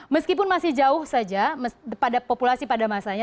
meskipun masih jauh saja pada populasi pada masanya